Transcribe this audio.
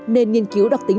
nên nghiên cứu đặc tính